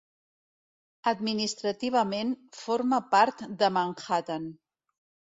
Administrativament, forma part de Manhattan.